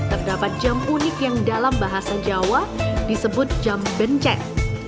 terdapat jam unik yang dalam bahasa jawa disebut jam benceng